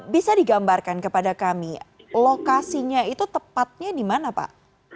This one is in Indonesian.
bisa digambarkan kepada kami lokasinya itu tepatnya dimana pak